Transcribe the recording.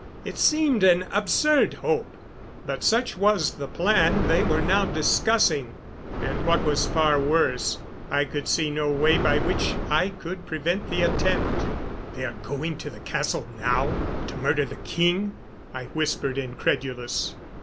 It seemed an absurd hope, but such was the plan they were now discussing. And what was far worse, I could see no way by which I could prevent the attempt. "They are going to the castle now to murder the king?" I whispered, incredulous.